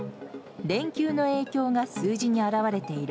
連休の影響が数字に表れている。